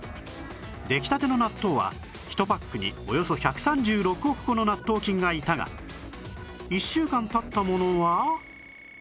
出来立ての納豆は１パックにおよそ１３６億個の納豆菌がいたが１週間経ったものは